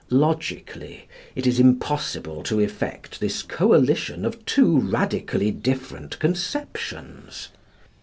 Logically, it is impossible to effect this coalition of two radically different conceptions.